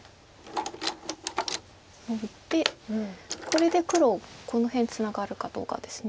これで黒この辺ツナがるかどうかです。